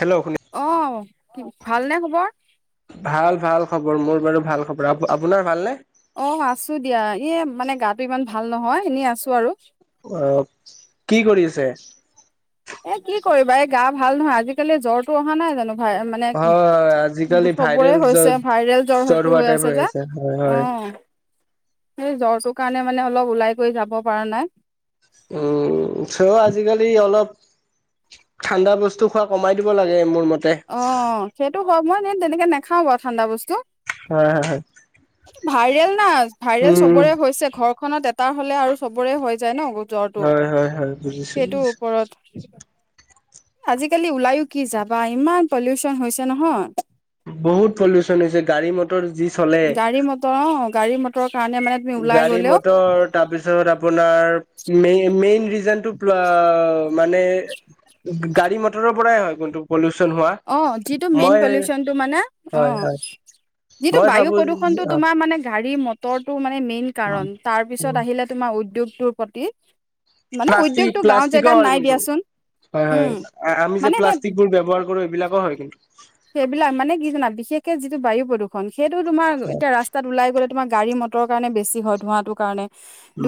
Hello শুনি অ ভালনে খবৰ ভাল ভাল খবৰ মোৰ বাৰু ভাল খবৰ আপোনাৰ ভালনে অ আছো দিয়া এ মানে গাটো ইমান ভাল নহয় এনেই আছো আৰু অহ কি কৰি আছে এ কি কৰিবা এই গা ভাল নহয় আজিকালি জ্বৰটো অহা নাই জানো হয় মানে হয় আজিকালি সবৰে ভাইৰেল জ হৈছে ভাইৰেল জ্বৰ হয়তো হোৱা হৈ টাইপ আছে যে হয় অ হয় সেই জ্বৰটোৰ কাৰণে মানে অলপ ওলাই কৈ যাব পৰা নাই উম চ' আজিকালি অলপ ঠাণ্ডা বস্তু খোৱা কমাই দিব লাগে মোৰ মতে অ সেইটো হয় মই তেনেকে নাখাওঁ বাৰু ঠাণ্ডা বস্তু হয় হয় হয় ভাইৰেল না ভাইৰেল উম চবৰে হৈছে ঘৰখননত এটা হলে আৰু চবৰে হৈ যায় ন জ্বৰটো হয় হয় হয় বুজিছো সেইটো বুজিছো ওপৰত আজিকালি ওলাইো কি যাবা ইমান পলিউচন হৈছে নহয় বহুত পলিউচন হৈছে গাড়ী মটৰ যি চলে গাড়ী মটৰ অ গাড়ী মটৰৰ কাৰণে মানে তুমি ওলাই গাড়ী গলেও মটৰ তাৰপিছত আপোনাৰ মেই মেইন গ যেন পল অ মানে গাড়ী মটৰৰ পৰাই হয় পলিউচন হোৱা অ যিটো মেইন মই পলিউচনটো মানে অ হয় হয় যিটো মই বায়ু ভাবো প্ৰদূষণ টো তোমাৰ মানে গাড়ী ম তৰো মানে মেইন কাৰণ তাৰ পিছত আহিলে তোমাৰ উদ্যোগটোক প্ৰতি মানে প্লাষ্টিক উদ্যোগতটো গাঁওৰ প্লাষ্টিকো জেগাত হয় নাই কিন্তু দিয়াচোন হয় উম হয় আমি যে মানে এনে প্লাষ্টিক বোৰ ব্যৱহাৰৰ কৰো এইবিলাকো হয় কিন্তু সেইবিলাক মানে কি জানা বিশেষকে যিটো বায়ু প্ৰদূষণ সেইটো তোমাৰ হয় এতিয়া ৰাস্তাত ওলাই গ'লে তোমাৰ গাড়ী মটৰৰ কাৰণে বেছি হয় ধোঁৱাটো কাৰে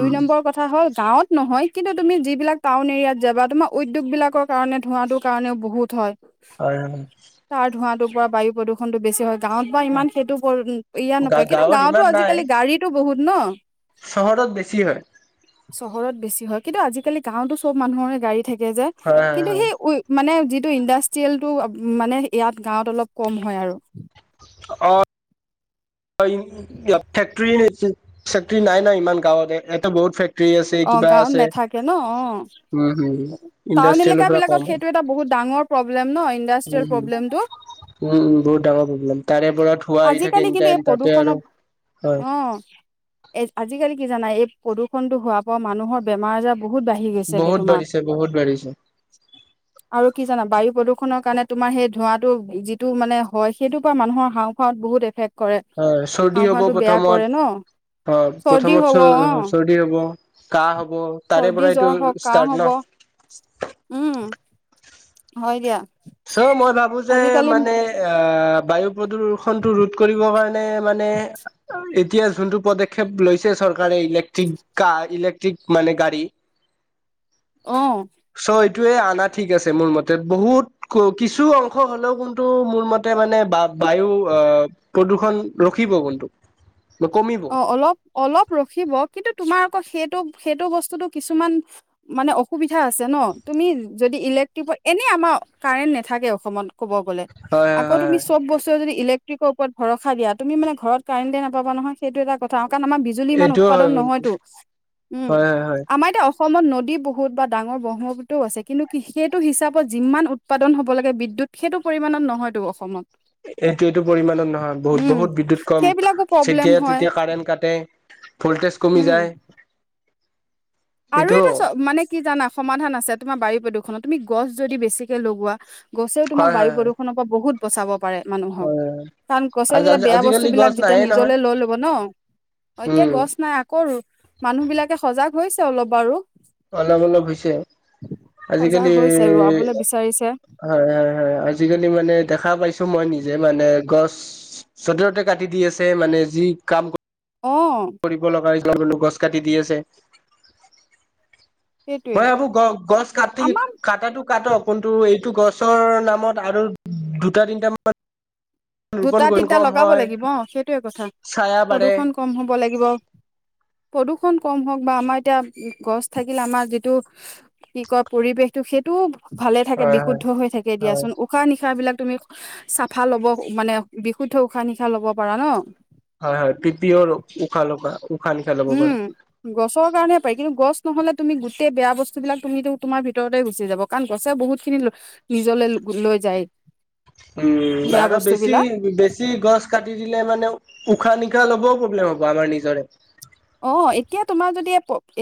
দুই নম্বৰৰ কথা হ'ল গাঁৱত নহয় কিন্তু তুমি যিবিলাক টাউন এৰিয়াত যাবা তোমাৰ উদ্যোগবিলাকৰ কাৰণে ধোঁৱটোৰ কাৰণেও বহুত হয় হয় তাৰ ধোঁৱাটোৰ পৰা বায়ু প্ৰদূষণটো বেছি হয় গাঁৱত বা ইমান সেইটো ইয় গা নপৰে কিন্তু গাঁৱত ইমান গাঁৱতো নাই আজিকালি গাড়ীতো বহুত ন চহৰত বেছি হয় চহৰত বেছি হয় কিন্তু আজিকালি গাঁওতো চব মানুহৰে গাড়ী থাকে যে হয় হয় কিন্তু হয় সেই উ মানে যিটো ইণ্ডাষ্ট্ৰিয়েলটো মানে ইয়াত গাঁৱত অলপ কম হয় আৰু অ ফেক্টৰী ফেক্টৰী নাই নাই ইমান গাঁৱত এটা বহুত ফে আছে অ কিবা গাঁৱত আছে নাথাকে ন অ উম হম টাউন এলেকা ইণ্ডাষ্ট্ৰিয়েলৰ পৰা বিলাকত কম হয় সেইটো এটা বহুত ডাঙৰ প্ৰব্লেম ন ইণ্ডাষ্ট্ৰিয়েল উম প্ৰব্লেমটো উম উম বহুত ডাঙৰ প্ৰব্লেমাৰে পৰা ধোৱা আহি থাকে আজিকালি কিন্তু এই এনিটাইম অ প্ৰদূষণৰ আজিকালি কি জানাই এই প্ৰদূষণটো হোৱাৰ পৰা মানুহৰ বেমাৰ আজাৰ বহুত বাঢ়ি গৈছেগে বহুত তোমাৰ বাঢ়িছে বহুত বাঢ়িছে আৰু কি জানা বায়ু প্ৰদূষণ খনকাৰণে তোমাৰ সেই ধোঁৱাটো যিটো মানে হয় সেইটোৰ পৰা মানুহৰ হাওঁফাওত বহুত এফেক্ট কৰে হয় চৰ্দি হাওঁ হ'ব ফাওঁ টো বেয়া প্ৰথমত কৰে ন অ চৰ্দি প্ৰথমত হ'ব চ অ চৰ্দি হব কাঁহ হব তাৰে চৰ্দি পৰা এইটো জ্বৰ হওক কাহ ষ্টাৰ্ট হ'ব ন উম হয় দিয়া। চৌ মই ভাবো যে আজিকালি মানে অ বায়ু প্ৰদূ্ষণটো ৰোধ কৰিব কাৰণে মানে এতিয়া যোনটো পদক্ষেপ লৈছে চৰকাৰে ইলেক্ট্ৰিক কাৰ ইলেক্ট্ৰিক মানে গাড়ী আহ [unintelligible] চ' এইটোয়ে আনা ঠিক আছে মোৰ মতে বহুত কিছু অংশ হ'লেও কিন্তু মোৰ মতে মানে বা বায়ু অ প্ৰদূষণ ৰখি ৰাখিব কোনতো অ অলপ অলপ ৰখিব কিন্তু তোমাৰ আকৌ সেই সেইটো বস্তুতটো কিছুমান মানে অসুবিধা আছে ন তুমি যদি ইলেক্ট্ৰিক এনে আমাৰ কাৰেন্ট নাথাকে অসমত ক'ব গলে হয় হয় আকৌ তুমি হয় চব বস্তু যদি ইলে ইলেক্ট্ৰনিক ৰ ওপৰত ভৰসা দিয়া মানে ঘৰত কাৰেণ্টে নাপাব নহয় সেইটো এটা কথা কাৰণ আমাৰ বিজুলী ইমান এইটোও হয় উৎপাদন কিন্তু নহয়তো উম হয় হয় হয় আমাৰ এতিয়া অসমত নদী বহুত বা ডাঙৰ ব্ৰহ্মপু্ৰও আছে কিন্তু কি সেইটো হিচাপত যিমান উৎপাদন হ'ব লাগে বিদ্যু য়ত সেইটো পৰিমাণত নহয়তো অসমত এইটো এইটো পৰিমণত নহয় বহুত উম বহুত বিদ্যুত কম সেইবিলাকো প্ৰব্লেম যেতিয়াই হয় তেতিয়া কাৰেণ্ট কাটে ভল্টে টেচকমি উম যায় আৰু এইটো এটা মানে কি জানা সমাধান আছে তোমাৰ বায়ু প্ৰদূষণত তুমি গছ যদি বেছিকে লগোৱা গছেও তোমাৰ হয় বায়ু হয় হয় প্ৰদূষণৰ পৰা বহুত বচাব পাৰে। মানুহক। হয় হয় কাৰণ গছে আজ যেতিয়া আজি বেয়া বস্তু আজিকালি বিলাক গছ যেতিয়া নাহে নহয় নিজলে লৈ ল'ব ন এতিয়া উম গছ নাই আকৌ মানুহ বিলাকে সজাগ হৈছে অলপ বাৰু অলপ অলপ হৈছে। সজাগ আজিকালি হৈছে ৰোৱাবলৈ বিচাৰিছে হয় হয় হয় আজিকালি মানে দেখা পাইছো। মই নিজে মানে গছ যতে ততে কাটি দি আছে মানে যি কাম অ কৰিব লগা হয় গছ কাটি দি আছে। সেইটোৱে মই ভাবো গ গছ কাটি আমাৰ কটাটো কাটক কোনটো এই গছৰ নামত আৰু দুটা তিনিটা মান দুটা তিনটা লগাব লাগিব সেইটোয়ে কথা ছায়া বাঢ়ে। প্ৰদূৰ্ষণ কম হ'ব লাগিব। প্ৰদূষণ কম হওঁক বা আমাৰ এতিয়া গছ থাকিলে আমাৰ যিটো কি কয় পৰিৱেশটো সেইটো ভালে থাকে হয় হয় বিশুদ্ধ হৈ থাকে হয় দিয়াচোন উশাহ নিশাহ বিলাক তুমি চাফা লব মানে বিশুদ্ধ উশাহ নিশাহ লব পাৰা ন। হয় হয় পিপিৰ উশাহ লোকা উম গছৰ কাৰণে পায় কিন্তু গছ নহ'লে তুমি গোটেই বেয়া বস্তু বিলাক তুমিটো তোমাৰ ভিতৰতে গুচি যাব। কাৰণ গছে বহুত খিনি নিজলৈ লৈ যায়। উম বেয়া আৰু বস্তু বেছি বিলাক বেছি গছ কাটি দিলে মানে উশাহ নিশাহ ল'বও প্ৰব্লেম হ'ব আমাৰ নিজৰে অ এতিয়া তোমাৰ যদি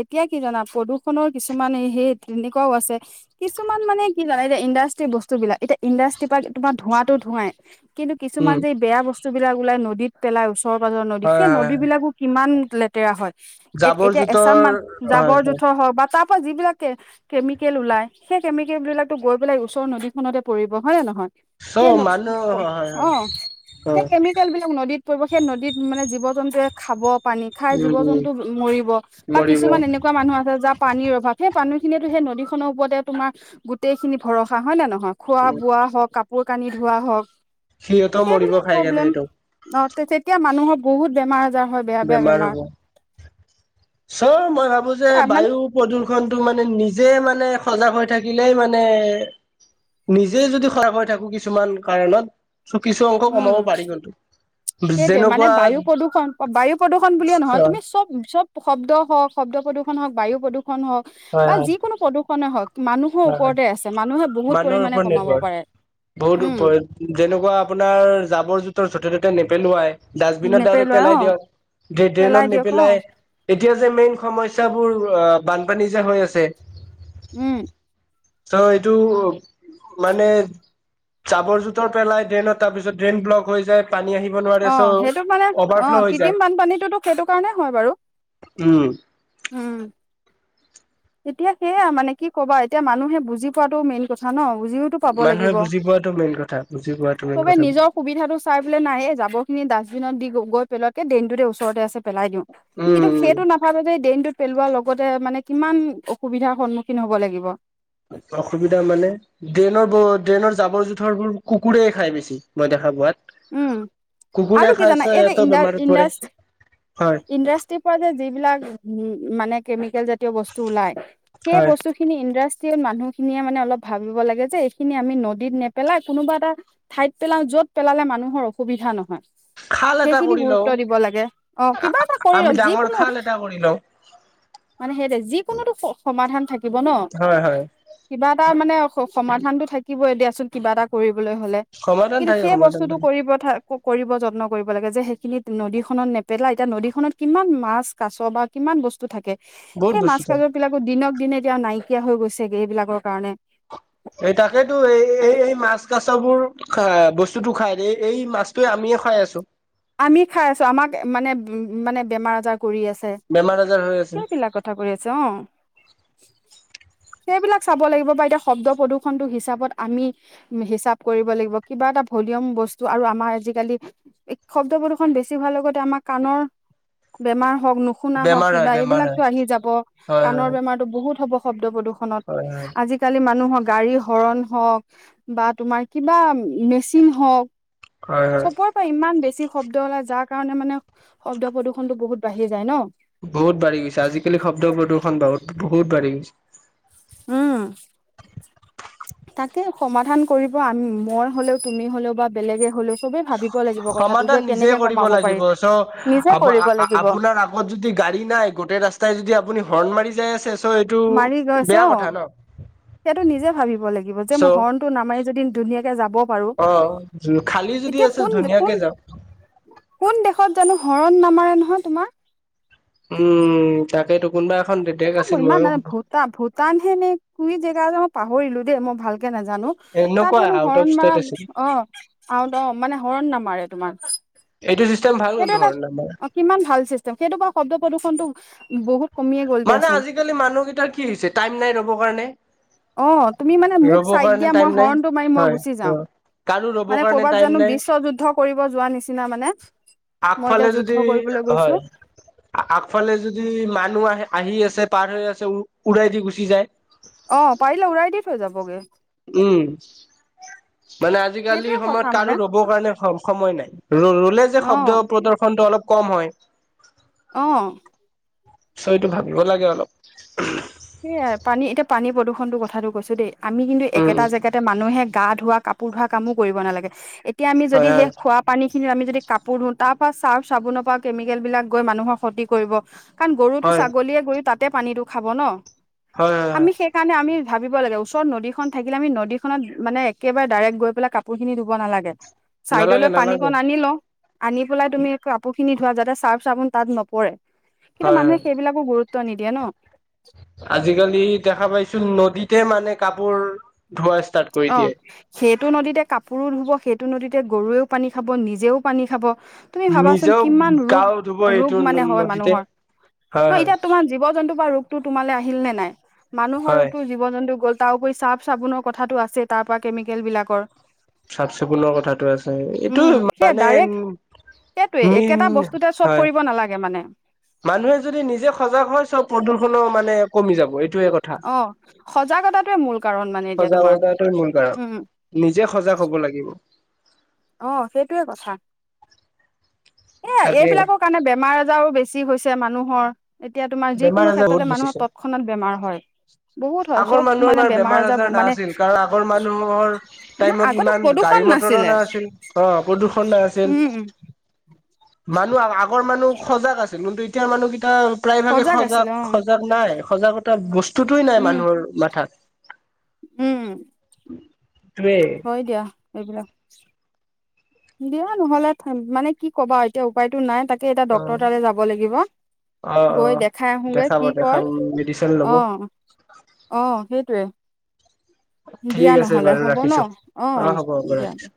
এতিয়া কি জানা প্ৰদূষণৰ কিছুমান সেই তেনেকুৱাও আছে। কিছুমান মানে কি জানে এতিয়া ইণ্ডাষ্ট্ৰি বস্তুবিলাক এতিয়া ইণ্ডাষ্ট্ৰি পৰা তোমাৰ ধোঁৱাতো ধোঁৱাই। কিন্তু কিছুমান উম যে এই বেয়া বস্তুবিলাক ওলাই নদীত পেলাই ওচৰ পাঁজৰ নদী হয় সেই হয় হয় নদীবিলাকো কিমান লেতেৰা হয় এ জাবৰ এতিয়া এচাম জোথৰ মান হয় জাঁবৰ হয় জোঁথৰ হওঁক বা তাপ সোপা যিবিলাক কে কেমিকেল ওলাই সেই কেমিকেল বিলাকো গৈ পেলাই ওচৰ নদীনতে পৰিব হয়নে নহয়? সেই ন চ' মানুহ হয় হয় অ হয় অ সেই কেমিকেল বিলাক নদীত পৰিব। সেই নদীত মানে জীৱ জন্তুৱে খাব পানী খাই জীৱ উম উম জন্তু মৰিব বা মৰিব কিছুমান উম এনেকুৱা মানুহ আছে যাৰ পানীৰ ভৰখা সেই পানী খিনিনিয়েতু সেই নদীখনৰ ওপতে তোমাৰ গোটেই খিনি ভৰসা হয় নে ন ন খোৱা বোৱা হওক, কাপোৰ কানি ধোৱা হওক, সিহঁতেও মৰিব সেইবিলাক খাই কেনে প্ৰব্লেম। সেইটো তেতিয়া মানুহৰ বহুত বেমাৰ আজাৰ হয়। বেয়া বেয়া বেমাৰ। চ মই ভাবো যে মানে বায়ু প্ৰদূৰ্ষণ টো মানে নিজে মানে সজাগ হৈ থাকিলে মানে নিজে যদি সজাগ হৈ থাকোঁ‌ কিছুমান কাৰণত চ কিছু অংক উম কমাব পাৰি কিন্তু সেইটোৱে মানে যেনেকুৱা বায়ু প্ৰদূষণ বায়ু প্ৰদূষণ বুলিয়ে নহয় হয় তুমি চব চব শব্দ হওক, শব্দ প্ৰদূষণ হওক, বায়ু প্ৰদূষণ হওক হয় হয় বা যিকোনো প্ৰদূৰ্ষনে হওঁ‌ক মানুহৰ হয় হয় ওপৰতে আছে। মানুহে বহুত মানুহৰ পৰিমাণে ওপৰত কমাব নিৰ্ভৰ পাৰে। বহুত উম যেনেকুৱা আপোনাৰ জাবৰ জোথৰ য'তে ত'তে নেপেলোৱাই ডাষ্টবিনত ডাইৰেক্ট নেপেলোৱাই অ পেলাই দিয়ক। পেলাই ড্ৰেইনত দিয়ক অ নিপেলাই এতিয়া যে মেইন সমস্যাবোৰ অ' বানপানী যে হৈ আছে। উম। ত এইটো মানে চাবৰ জোথৰ পেলাই ড্ৰেইনত তাৰ পিছত ড্ৰেইন ব্লক হৈ যায়। পানী আহিব নোৱাৰে চ' অ' সেইটো মানে অ অভাৰফ্ল' হৈ কৃতিম যায় বানপানীটোতো সেইটো কাৰণেই হয় বাৰু। উম। উম। এতিয়া সেয়া মানে কি ক'বা। এতিয়া মানুহে বুজি পোৱাতটো মেইন কথা ন? বুজিওতো পাব মানুহে লাগিব। বুজি পোৱাটো মেইন কথা বুজি পোৱাটো মেইন সবে কথা নিজৰ সুবিধাটো চাই পেলাই নাহে জাবৰ খিনি ডাষ্টবিনত দি গৈ পেলাতকে দেইনটোতে ওচৰতে আছে। পেলাই দিওঁ উম কিন্তু উম সেইটো নাভাবে যে ড্ৰেইনতটোত পেলোৱাৰ লগতে মানে কিমান অসুবিধাৰ সন্মুখীন হ'ব লাগিব। অসুবিধা মানে ট্ৰেইনৰ ট্ৰেইনৰ জাবৰ জোথৰবোৰ কুকুৰেই খাই বেছি মই দেখা পোৱাত। উম কুকুৰে আৰু কি খাইছে জানা এই যে সিহঁতৰ ইণ্ বেমাৰত ইণ্ডা পৰে হয় ইণ্ডাষ্ট্ৰিৰ পৰা যে যিবিলাক মানে কেমিকেল জাতীয় বস্তু ওলাই হেই হয় বস্তু খিনি ইণ্ডাছ মানুহখিনিয়ে মানে অলপ ভাবিব লাগে যে এইখিনি আমি নদীত নেপেলাই কোনোবা এটা ঠাইত পেলাওঁ য তত পেলালে মানুহৰ অসুবিধা নহয়। খাল এটা সেইখিনি কৰি গুৰুত্ব লওঁ দিব লাগে অ' কিবা এটা কৰি আমি ৰক ডাঙৰ যিকোনো। খাল এটা কৰি লওঁ মানে সেইট যিকোনোতো সমাধান থাকিব ন হয় হয় কিবা এটা মানে সমাধানটো থাকিবই দিয়াচোন। কিবা এটা কৰিব সমাধান কিন্তু থাকে সেই সমাধান বস্তুটো থাকে কৰিব যত যত্ন কৰিব লাগে যে সেইখিনি নদীখনত নেপেলাই। এতিয়া নদীখনত কিমান মাছ কাছ বা কিমান বস্তু থাকে। বহুত সেই মাছ বস্তু থাকে কাজৰ বিলাকো দিনক দিনে এতিয়া নাইকিয়া হৈ গৈছেগে এইবিলাকৰ কাৰণে। এই তাকেতো এই এই এই মাছ কাছবোৰ বস্তুতো খাই দ এই মাছটোৱে আমি খাই আছোঁ‌ আমি খাই আছো আমাক মানে উ মানে বেমাৰ -আজাৰ। কৰি আছে বেমাৰ আজাৰ হৈ আছে সেইবিলাক কথা কৰি আছে অ'। সেইবিলাক চাব লাগিব। বা এতিয়া শব্দ প্ৰদূৰ্ষনতটো হিচাপত আমি হিচাপ কৰিব লাগিব। কিবা এটা ভলিউম বস্তু আৰু আমাৰ আজিকালি শব্দ প্ৰদূষণ বেছি হোৱাৰ লগতে আমাৰ কাণৰ বেমাৰ হক নুশুনা হওক বেমাৰ হয় কিবা বেমাৰ এইবিলাকতো হয় আহি যাব হয় হয় কাৰ বেমাৰতো বহুত হ'ব শব্দ প্ৰদূষণ হয় হয় আজিকালি মানুহৰ গাড়ী হৰণ হওক বা তোমাৰ কিবা মেচিন হওক হয় হয় চবৰে পৰা ইমান বেছি শব্দ ওলাই যাৰ কাৰণে মানে শব্দ প্ৰদূষণতটো বহুত বাঢ়ি যায় ন। বহুত বাঢ়ি গৈছে আজিকালি শব্দ প্ৰদূষণ বহুত বহুত বাঢ়ি গৈছে। উম তাকে সমাধান কৰিব আমি মই হ'লেও তুমি হ'লেও বা বেলেগে হ'লেও চবে ভাবিব লাগিব কথাটো যে সমাধান নিজে কেনেকে কৰিব কমাব পাৰি লাগিব চ নিজে আ কৰিব লাগিব আপোনাৰ আগত যদি গাড়ী নাই। গোটেই ৰাস্তাই যদি আপুনি হৰ্ণ মাৰি যাই আছে চ' এইটো মাৰি গৈছে, বেয়া কথা ন অ' সেইটো নিজে ভাবিব লাগিব যে চ' মই হৰ্ণটো নামাৰি যদি কে যাব পাৰোঁ। অ খালী যদি এতিয়া আছে কোন - ধুনীয়াকে কোন যাওক - কোন দেশত জানো হৰণ নামাৰে নহয় তোমাৰ। উম তাকেটো কোনোবা এখন দেদেক ত আছিল মই ইমান মইয়ো নানে ভূটা - ভূটান হে নে কুই জেগা আ মই পাহৰিলো দেই মই ভাল কে নাজানো তাত এনেকুৱা হেনো আউট অফ হৰণ মাৰা ষ্টেট আছিল অ আও অ মানে হৰণ নামাৰে। তোমাৰ। এইটো চিষ্টেম ভাল সেইটো এটা ধৰ আমাৰ কিমান ভাল চিষ্টেম সেইটো বা শব্দ প্ৰদূষণতটো বহুত কমিয়ে গ'ল মানে দিয়াচোন আজিকালি মানুহকেইটাৰ কি হৈছে টাইম নাই ৰ'ব কাৰণে। অ' তুমি মানে মোক ৰ'ব চাইড কাৰণে দিয়া টাইম মই নাই হৰ্ণটো মাৰি মই হয় গুচি অ যাওঁ। কাৰো ৰ'ব মানে কাৰণে কৰ'বাত টাইম জানো নাই বিশ্ব যুদ্ধ কৰিব যোৱা নিচিনা মানে। মই এতিয়া আগফালে যুদ্ধ যদি কৰিবলৈ গৈছো হয় আগফালে যদি মানুহ আহে আহি আছে, পাৰ হৈ আছে, উৰাই দি গুচি যায়। অ' পাৰিলে উৰাই দি থৈ যাবগে। উম। মানে আজিকালি সেইটোয়ে কথা সময়ত মানে কাৰো ৰ'ব কাৰণে স- সময় নাই ৰ - ৰলে যে অ শব্দ প্ৰদৰ্শন টো অলপ কম হয়। অ'। চ এইটো ভাবিব লাগে অলপ। সেইয়াই পানী এতিয়া পানী প্ৰদূষণটোৰ কথাটো কৈছো দেই আমি কিন্তু উম একেটা জেগাতে মানুহে গা ধোৱা, কাপোৰ ধোৱা কামো কৰিব নালাগে। এতিয়া আমি যদি হয় সেই হয় খোৱা পানী খিনি আমি যদি কাপোৰ ধুও, তাৰ পৰা চাৰ্ফ চাবোনৰ পৰা কেমিকেল বিলাক গৈ মানুহৰ ক্ষতি কৰিব। কাৰণ গৰুটো হয় ছাগলীয়ে গৈ তাতে পানীটো খাব ন' হয় হয় হয় আমি সেইকাৰণে আমি ভাবিব লাগে ওচৰত নদীখন থাকিলে আমি নদীখনত মানে একেবাৰে ডাইৰেক্ট গৈ পেলাই কাপোৰ খিনি ধুব নালাগে। চাইডলৈ নালাগে নালাগে পানীকণ আনি লও। আনি পেলাই তুমি কাপোৰ খিনি ধোৱা যাতে চাৰ্ফ চাবোন তাত নপৰে কিন্তু হয় হয় মানুহে সেইবিলাকো গুৰুত্ব নিদিয়ে ন। আজিকালি দেখা পাইছো নদীতে মানে কাপোৰ ধোৱা ষ্টাৰ্ট কৰি দিয়ে। টো নদীতে কাপোৰো ধুব, সেইটো নদীতে গৰুৱেও পানী খাব নিজেও পানী খাব। তুমি ভাবাচোন নিজেও কিমান ৰোগ গাও ধুব - ৰোগ এইটো মানে হয় নদীতে মানুহৰ। হয় নহ হয় এতিয়া তোমাৰ জীৱ জন্তু তোমাৰ ৰোগতো তোমালে আহিল নে নাই? মানুহৰ হয় ৰোগটো জীৱ জন্তু গ'ল তাৰ উপৰি ছাৰ্ফ চাবোনৰ কথাটো আছে তাৰ পৰা কেমিকেল বিলাকৰ চাফ চিকুণৰ কথাটো আছে এইটো মানে উ সেইটোয়ে একেটা বস্তুতে চব কৰিব নালাগে মানে। মানুহে যদি নিজে সজাগ হয় চব প্ৰদূষণো মানে কমি যাব। এই অ' সজাগতাটোৱে মূল কাৰণ মানে এতিয়া তোমাৰ, সজাগতাটো মূল কাৰণ উম। নিজে সজাগ হ'ব লাগিব। অ' সেইটোৱে কথা। এ - তাকে এইবিলাকৰ কাৰণে বেমাৰ আজাৰো বেছি হৈছে মানুহৰ। এতিয়া তোমাৰ বেমাৰ যিকোনো আজাৰ ক্ষেত্ৰতে বহুত মানুহৰ বেছিছে তৎক্ষণাত বেমাৰ হয়। বহুত হয় আগৰ চব মানুহৰ মানে ইমান বেমাৰ আজাৰ মানে নাছিল কাৰণ আগৰ মানুহৰ টাইমত আগতে ইমান প্ৰদূষণ গাড়ী মটৰো নাছিলে নাছিল, অ' প্ৰদূষণ নাছিল। উম মানুহ আ - আগত গৰ‌ মানুহ সজাগ আছিল কিন্তু এতিয়াৰ মানুহ গিটা প্ৰায় ভাগে আছিলে সজাগ অ - সজাগ নাই। সজাগতা বস্তুটোৱে নাই উম মানুহৰ মাথাত। উম সেইটোৱে হয় দিয়া। এইবিলাক, দিয়া নহ'লে মানে কি ক'বা এতিয়া উপায়তো নাই তাক কেইটা অ ডক্তৰ তালে যাব লাগিব। অ অ গৈ দেখাই আহোংগে দেখাব কি কয়! দেখাম মেডিচিন ল'ব অ' অ'সেইটোৱে। দিয়া ঠিক আছে নহ'লে বাৰু হ'ব ন? ৰাখিছো অ' হ'ব হ'ব দিয়া ৰাখিছো দিয়া।